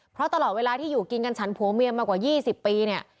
เพราะตลอดเวลาที่อยู่กินกันฉันผัวเมียมากว่า๒๐ปีเนี่ย